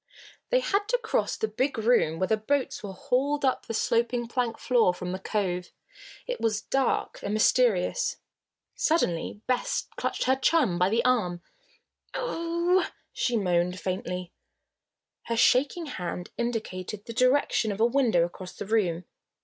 They had to cross the big room where the boats were hauled up the sloping plank floor from the cove. It was dark and mysterious. Suddenly Bess clutched her chum by the arm. "Oh o o!" she moaned faintly. Her shaking hand indicated the direction of a window across the room.